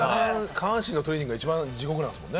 下半身のトレーニングが一番、地獄なんですよね？